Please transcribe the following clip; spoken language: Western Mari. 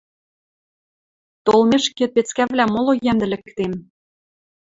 Толмешкет, пецкӓвлӓм моло йӓмдӹлӹктем...